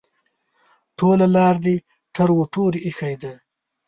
ټوله لار دې ټر ټور ایښی ده.